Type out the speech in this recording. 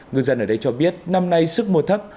người dân ở đây cho biết năm nay sức mùa thấp